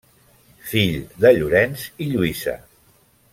Fill de Llorenç i Lluïsa.